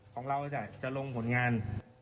ของเราจะลงผลงาน